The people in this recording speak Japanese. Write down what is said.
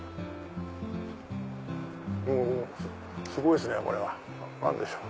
おすごいっすねこれは。何でしょう？